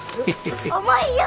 重いよ！